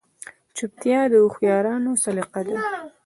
چوپتیا، د هوښیارانو سلیقه ده.